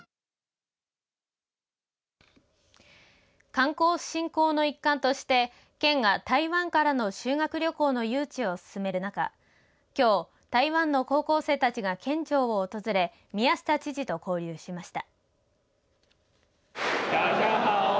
観光振興の一環として県が台湾からの修学旅行の誘致を進める中きょう、台湾の高校生たちが県庁を訪れて宮下知事と交流しました。